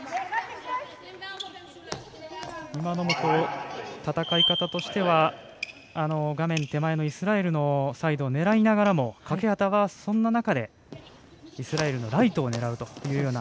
今のも戦い方としては画面手前のイスラエルのサイドを狙いながらも欠端が、そんな中でイスラエルのライトを狙うというような。